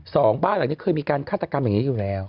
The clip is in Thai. สองบ้านหลังนี้เคยมีการฆาตกรรมอย่างนี้อยู่แล้ว